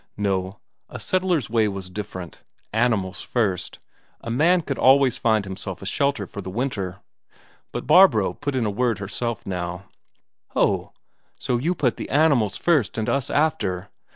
No, a settler's way was different; animals first; a man could always find himself a shelter for the winter. But Barbro put in a word herself now: "Ho, so you put the animals first and us after?